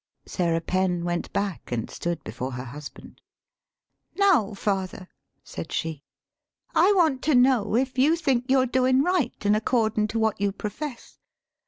Sarah Penn went back and stood before her hus band. " Now, father," said she, " I want to know if you think you're doin' right an' accordin' to what you profess.